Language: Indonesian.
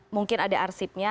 mungkin ada arsipnya